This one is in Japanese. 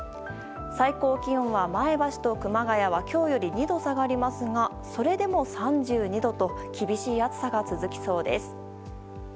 最高気温は前橋と熊谷は今日より２度下がりますがそれでも３２度と厳しい暑さが続きそうです。